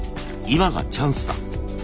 今がチャンスだ。